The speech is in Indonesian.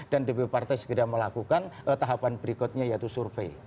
dan dpp partai segera melakukan tahapan berikutnya yaitu survei